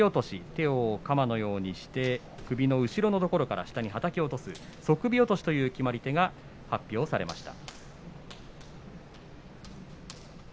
手を鎌のようにして首を下のところからはたき落とす素首落としという決まり手が発表されました。